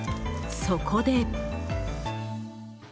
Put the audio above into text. そこで。